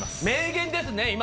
名言ですね